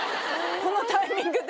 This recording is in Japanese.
このタイミングで？